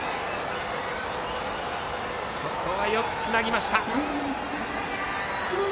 ここはよくつなぎました。